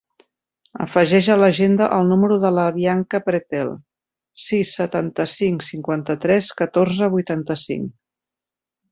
Afegeix a l'agenda el número de la Bianca Pretel: sis, setanta-cinc, cinquanta-tres, catorze, vuitanta-cinc.